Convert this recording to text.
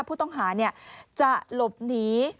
ผู้ต้องหาจะหลบหนี